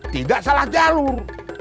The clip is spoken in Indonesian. tidak salah jalur